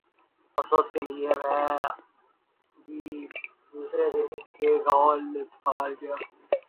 افسوس کیلئے میں بھی دوسرے دن ان کے گاؤں لطیفال گیا۔